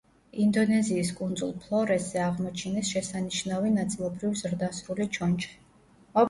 ინდონეზიის კუნძულ ფლორესზე აღმოჩინეს შესანიშნავი ნაწილობრივ ზრდასრული ჩონჩხი.